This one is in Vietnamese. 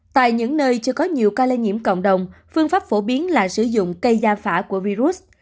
tại những nơi chưa có nhiều ca lây nhiễm cộng đồng phương pháp phổ biến là sử dụng cây gia phả của virus